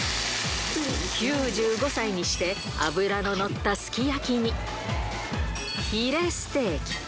９５歳にして、脂の乗ったすき焼きに、ヒレステーキ。